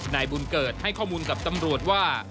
นายบุญเกิดให้ข้อมูลกับตำรวจว่า